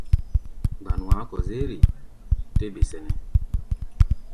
Gbanu a̧á̧ kɔ-zérʼi? tɛ́ be sɛnɛ́.